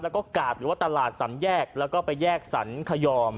แล้วก็กาดหรือว่าตลาดสำแยกแล้วก็ไปแยกสรรคยอม